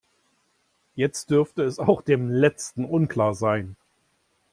Jetzt dürfte es auch dem Letzten unklar sein.